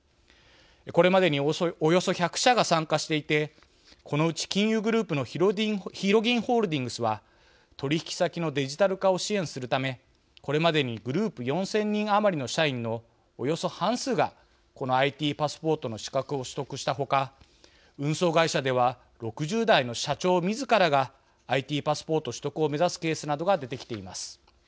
これまでにおよそ１００社が参加していてこのうち、金融グループのひろぎんホールディングスは取引先のデジタル化を支援するためこれまでにグループ４０００人余りの社員のおよそ半数がこのＩＴパスポートの資格を取得した他運送会社では６０代の社長みずからがＩＴパスポート取得を目指すケースなどが出てきています。